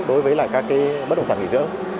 đối với các bất động sản nghỉ dưỡng